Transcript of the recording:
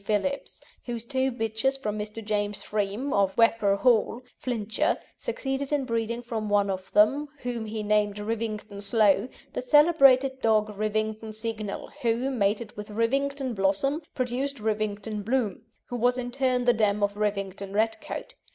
Phillips, whose two bitches from Mr. James Freme, of Wepre Hall, Flintshire, succeeded in breeding from one of them, whom he named Rivington Sloe, the celebrated dog Rivington Signal, who, mated with Rivington Blossom, produced Rivington Bloom, who was in turn the dam of Rivington Redcoat.